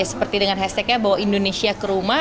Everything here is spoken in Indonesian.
seperti dengan hashtagnya bawa indonesia ke rumah